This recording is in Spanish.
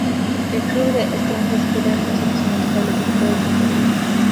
El Club The Strongest quedó en una situación lamentable desde todo punto de vista.